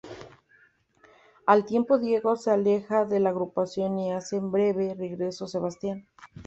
Al tiempo Diego se aleja de la agrupación y hace un breve regreso Sebastián.